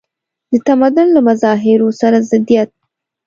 د تمدن له مظاهرو سره ضدیت.